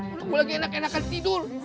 aku lagi enak enakan tidur